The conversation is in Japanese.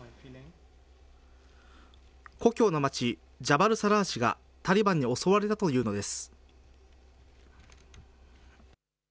故郷の町、ジャバルサラージがタリバンに襲われたというのです。